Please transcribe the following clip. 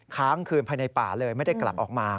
ค้างคืนภายในป่าเลยไม่ได้กลับออกมา